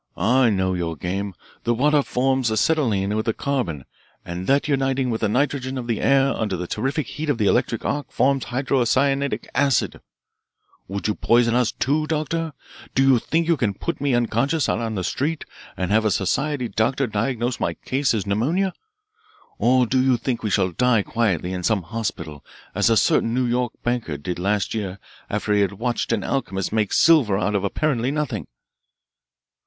I know your game the water forms acetylene with the carbon, and that uniting with the nitrogen of the air under the terrific heat of the electric arc forms hydrocyanic acid. Would you poison us, too? Do you think you can put me unconscious out on the street and have a society doctor diagnose my case as pneumonia? Or do you think we shall die quietly in some hospital as a certain New York banker did last year after he had watched an alchemist make silver out of apparently nothing!"